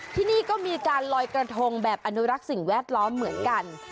ที่นี่ก็มีการลอยกระทงแบบอนุรักษ์สิ่งแวดล้อมเหมือนกัน